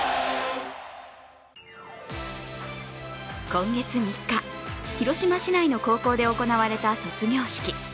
今月３日、広島市内の高校で行われた卒業式。